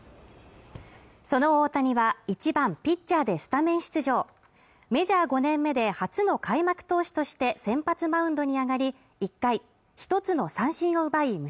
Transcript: その大谷は１番ピッチャーでスタメン出場メジャー５年目で初の開幕投手として先発マウンドに上がり１回１つの三振を奪い